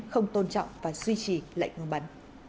không tôn trọng và duy trì lệnh ngừng bắn